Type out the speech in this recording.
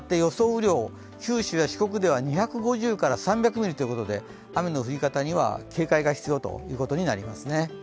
雨量、九州や四国では２５０から３００ミリということで雨の降り方には警戒が必要ということになりますね。